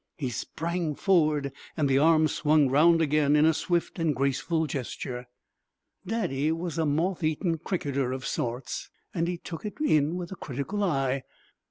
He sprang forward and the arm swung round again in a swift and graceful gesture. Daddy was a moth eaten cricketer of sorts, and he took it in with a critical eye.